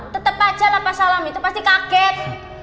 tetep aja lapar salam itu pasti kaget